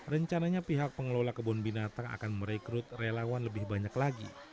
rencananya pihak pengelola kebun binatang akan merekrut relawan lebih banyak lagi